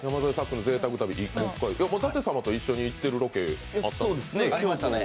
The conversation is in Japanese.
舘様と一緒に行ってるロケありましたよね。